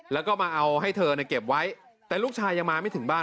แล้วก็มาเอาให้เธอเนี่ยเก็บไว้แต่ลูกชายยังมาไม่ถึงบ้าน